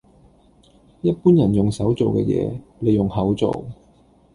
一般人用手做嘅嘢，你用口做